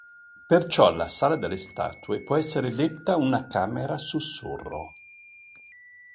Perciò la Sala delle Statue può essere detta una camera a sussurro.